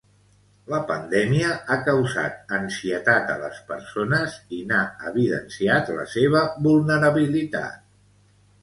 La pandèmia ha causat ansietat a les persones i n'ha evidenciat la seva vulnerabilitat.